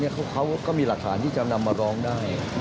เขาก็มีหลักฐานที่จะนำมาร้องได้